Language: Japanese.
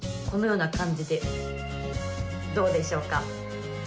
このような感じでどうでしょうか？